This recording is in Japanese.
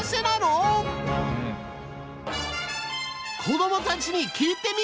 子どもたちに聞いてみよう！